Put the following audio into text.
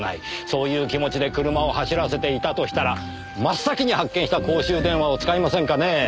そういう気持ちで車を走らせていたとしたら真っ先に発見した公衆電話を使いませんかねぇ。